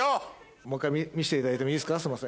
もう１回見していただいてもいいですか？